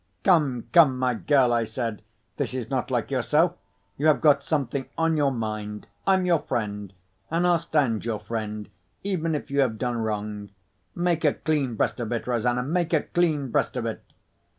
"Come, come, my girl!" I said, "this is not like yourself. You have got something on your mind. I'm your friend—and I'll stand your friend, even if you have done wrong. Make a clean breast of it, Rosanna—make a clean breast of it!"